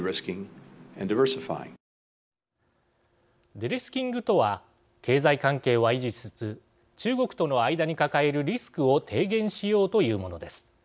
デリスキングとは経済関係は維持しつつ中国との間に抱えるリスクを低減しようというものです。